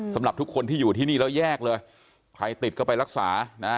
สำหรับทุกคนที่อยู่ที่นี่แล้วแยกเลยใครติดก็ไปรักษานะ